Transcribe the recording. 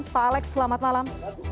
pak alex selamat malam